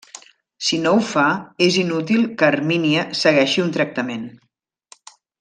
Si no ho fa, és inútil que Hermínia segueixi un tractament.